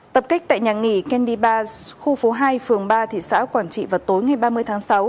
tập kích tại nhà nghỉ candy bar khu phố hai phường ba thị xã quản trị vào tối ngày ba mươi tháng sáu